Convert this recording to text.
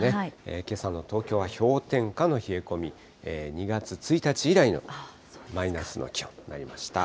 けさの東京は氷点下の冷え込み、２月１日以来のマイナスの気温となりました。